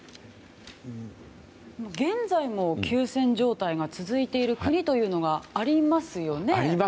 現在も休戦状態が続いている国がありますよね。